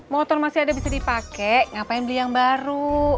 motor masih ada bisa dipakai ngapain beli yang baru